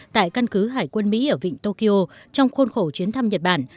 tại căn cứ hải quân mỹ ở vịnh tokyo trong khuôn khổ chuyến thăm nhật bản